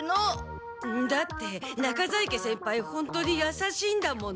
だって中在家先輩ホントに優しいんだもの。